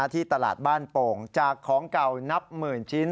ที่ตลาดบ้านโป่งจากของเก่านับหมื่นชิ้น